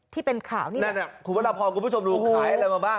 ที่เป็นข่าวนี่นั่นอ่ะคุณพระราพรคุณผู้ชมดูขายอะไรมาบ้าง